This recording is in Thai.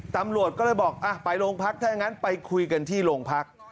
ตำรวจก็เลยบอกไปโรงพักถ้าอย่างนั้นไปคุยกันที่โรงพัก